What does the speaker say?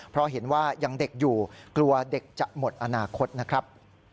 เพราะเห็นว่ายังเด็กอยู่กลัวเด็กจะหมดอนาคตนะครับ